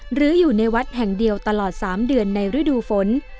หรืออยู่ในวัดแห่งเดียวตลอด๓เดือนในฤดูฝน